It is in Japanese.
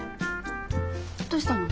どうしたの？